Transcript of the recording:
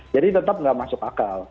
jadi tetap nggak masuk akal